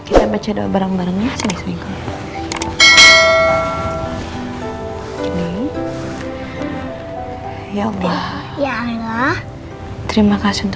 kita baca doa bareng bareng ya sini saya ikut